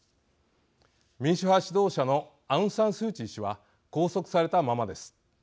民主派指導者のアウン・サン・スー・チー氏は拘束されたままです。